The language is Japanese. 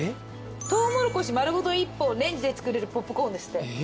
トウモロコシ丸ごと一本レンジで作れるポップコーンですって。